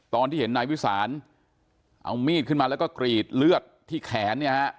ตอนที่เห็นนายวิสานเอามีดขึ้นมาแล้วก็กรีดเลือดที่แขนเนี่ยฮะ